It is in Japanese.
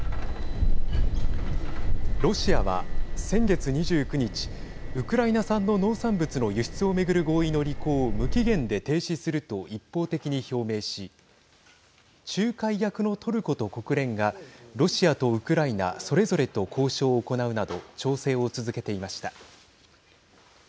ロシアは先月２９日ウクライナ産の農産物の輸出を巡る合意の履行を無期限で停止すると一方的に表明し仲介役のトルコと国連がロシアとウクライナそれぞれと交渉を行うなど調整を続けていました。